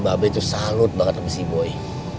mbak be itu salut banget sama si boy